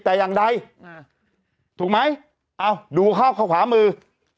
แต่อย่างใดถูกไหมเอาดูเข้าขวามือ